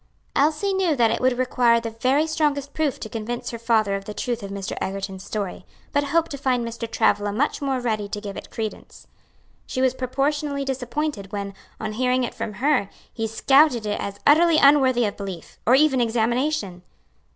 Elsie knew that it would require the very strongest proof to convince her father of the truth of Mr. Egerton's story, but hoped to find Mr. Travilla much more ready to give it credence. She was proportionably disappointed when, on hearing it from her, he scouted it as utterly unworthy of belief, or even examination.